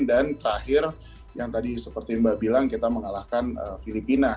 dan terakhir yang tadi seperti mbak bilang kita mengalahkan filipina